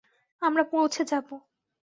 আমরা পৌঁছে যাবো।